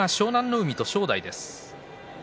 海と正代です。